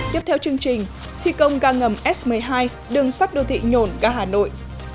tiếp theo chương trình thi công ga ngầm s một mươi hai đường sắt đô thị nhổn ga hà nội